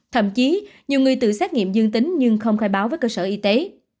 thậm chí nhiều người tự xét nghiệm dương tính nhưng không khai báo với cơ sở y tế